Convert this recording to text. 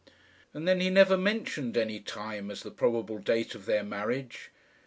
And then he never mentioned any time as the probable date of their marriage.